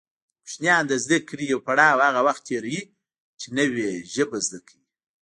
کوشنیان د زده کړې يو پړاو هغه وخت تېروي چې نوې ژبه زده کوي